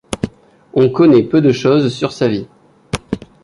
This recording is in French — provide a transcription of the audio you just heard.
On connaît peu de chose sur sa vie.